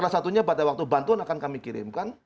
salah satunya pada waktu bantuan akan kami kirimkan